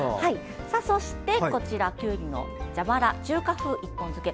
そしてきゅうりの蛇腹中華風一本漬け。